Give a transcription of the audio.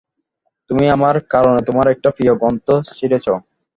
তুমি আমার কারণে তোমার একটি প্রিয় গ্রন্থ ছিড়েছ।